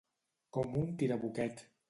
Com un tirabuquet.